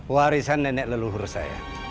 warisan nenek leluhur saya